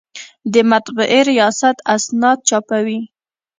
د مطبعې ریاست اسناد چاپوي